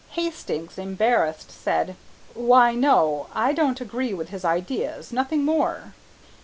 Hastings, embarrassed, said, "Why no, I don't agree with his ideas, nothing more."